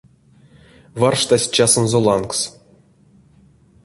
Варштась часонзо лангс.